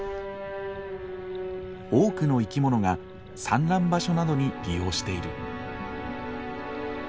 多くの生き物が産卵場所などに利用している。